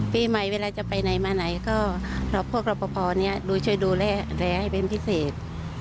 ปีใหม่เวลาจะไปไหนมาไหนก็รับพวกรับประพอนี้ดูช่วยดูแลให้เป็นพิเศษ